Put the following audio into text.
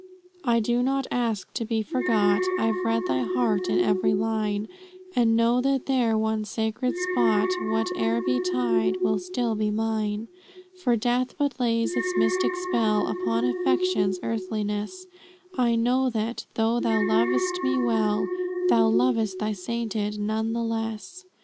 "I do not ask to be forgot; I've read thy heart in every line, And know that there one sacred spot, Whate'er betide, will still be mine, For death but lays its mystic spell Upon affection's earthliness, I know that, though thou lov'st me well, Thou lov'st thy sainted none the less.